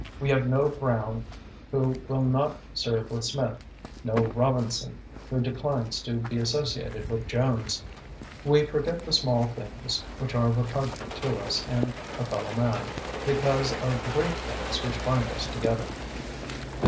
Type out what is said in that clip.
We have no Brown who will not serve with Smith, no Robinson who declines to be associated with Jones. We forget the small things which are repugnant to us in a fellowman, because of the great things which bind us together."